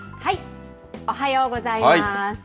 おはようございます。